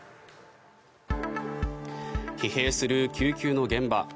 疲弊する救急の現場。